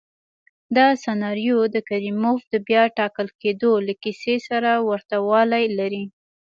دا سناریو د کریموف د بیا ټاکل کېدو له کیسې سره ورته والی لري.